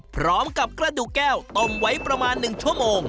พร้อมกับกระดูกแก้วต้มไว้ประมาณ๑ชั่วโมง